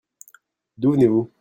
D'où venez-vous ?